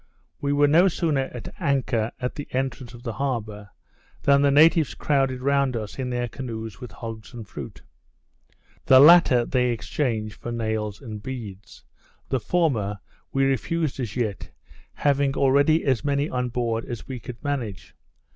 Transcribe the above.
We were no sooner at anchor at the entrance of the harbour, than the natives crowded round us in their canoes with hogs and fruit. The latter they exchanged for nails and beads; the former we refused as yet, having already as many on board as we could manage.